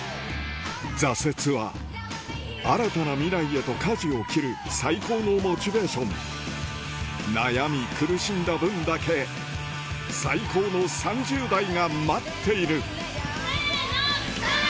挫折は新たな未来へと舵を切る最高のモチベーション悩み苦しんだ分だけ最高の３０代が待っている・せの！